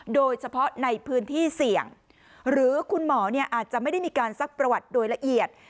โดยเฉพาะในพื้นที่เสี่ยงหรือคุณหมออาจจะไม่ได้มีการซักประวัติโดยละเอียด